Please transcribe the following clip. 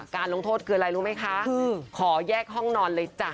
ลงโทษคืออะไรรู้ไหมคะขอแยกห้องนอนเลยจ้ะ